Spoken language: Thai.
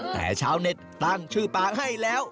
แต่ชาวเน็ตตั้งชื่อปากให้แล้ว